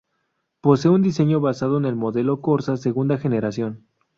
Posee un diseño basado en el modelo Corsa segunda generación.